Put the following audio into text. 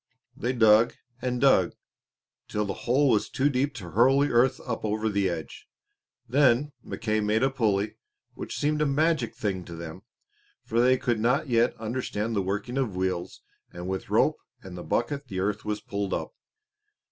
They dug and dug till the hole was too deep to hurl the earth up over the edge. Then Mackay made a pulley, which seemed a magic thing to them, for they could not yet understand the working of wheels; and with rope and bucket the earth was pulled up.